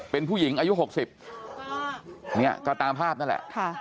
เป็นผู้หญิงอายุหกสิบเนี้ยก็ตามภาพนั่นแหละค่ะ